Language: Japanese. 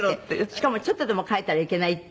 「しかもちょっとでも変えたらいけないって」